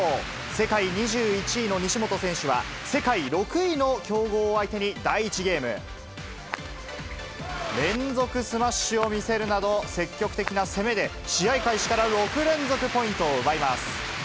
世界２１位の西本選手は、世界６位の強豪を相手に、第１ゲーム。連続スマッシュを見せるなど、積極的な攻めで、試合開始から６連続ポイントを奪います。